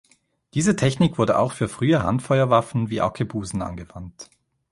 Diese Technik wurde auch für frühe Handfeuerwaffen wie Arkebusen angewandt.